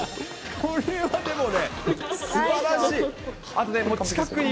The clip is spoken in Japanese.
これはでもね、すばらしい。